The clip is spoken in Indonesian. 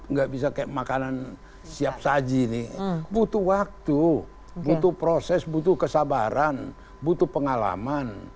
nggak bisa kayak makanan siap saji nih butuh waktu butuh proses butuh kesabaran butuh pengalaman